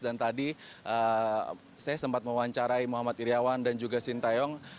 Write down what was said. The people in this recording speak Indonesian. dan tadi saya sempat mewawancarai muhammad iryawan dan juga shin taeyong